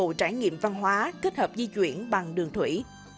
các dịch vụ trải nghiệm văn hóa kết hợp di chuyển bằng đường thủy